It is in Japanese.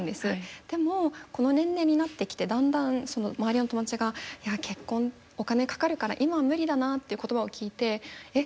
でもこの年齢になってきてだんだん周りの友達がいや結婚お金かかるから今は無理だなって言葉を聞いてえっ